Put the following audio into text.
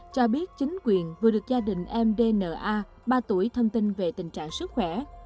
cho biết chính quyền vừa được gia đình em dna ba tuổi thông tin về tình trạng sức khỏe